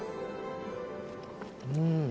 うん！